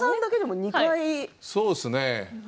そうですね。